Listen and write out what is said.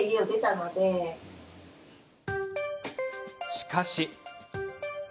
しかし。